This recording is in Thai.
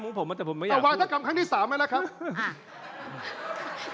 ผมรู้น่ะลึกคุณก็ไม่เชื่อหรอกแต่วาทักรรมครั้งที่๓ไหมล่ะครับ